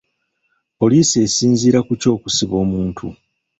Poliisi esinziira ku ki okusiba omuntu?